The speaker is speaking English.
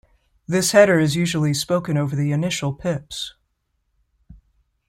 This header is usually spoken over the initial pips.